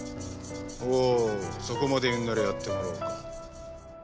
ほうそこまで言うんならやってもらおうか。